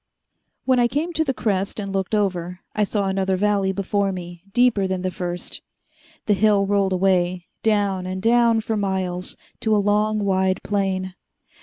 When I came to the crest and looked over, I saw another valley before me, deeper than the first. The hill rolled away, down and down for miles, to a long, wide plain.